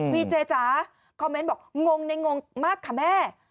เจจ๋าคอมเมนต์บอกงงในงงมากค่ะแม่